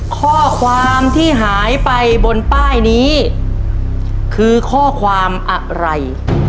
ข้อความที่หายไปบนป้ายนี้คือข้อความอะไร